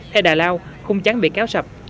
theo đà lao khung trắng bị kéo sập